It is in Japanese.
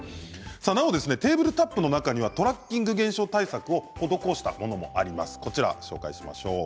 なおテーブルタップの中にはトラッキング現象対策を施したものもあります。